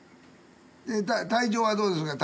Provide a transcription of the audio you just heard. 体調はどうですか？